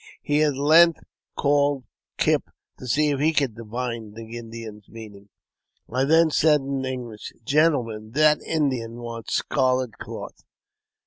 He at length called Kipp to see if he could divine the Indian's meaning. I then said in English, " Gentlemen, that Indian wants scarlet cloth."